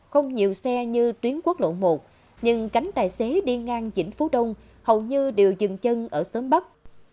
không nhiều xe như tuyến quốc lộ một nhưng cánh tài xế đi ngang chỉnh phú đông hầu như đều dừng chân ở xóm bắp